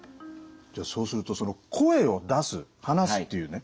じゃあそうすると声を出す話すっていうね